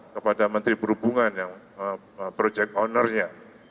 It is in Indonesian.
kepada menteri perhubungan yang project ownernya